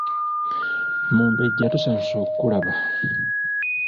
Mumbejja tusanyuse okukulaba.